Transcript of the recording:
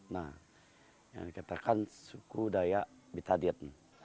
nah yang dikatakan suku daya bitadiat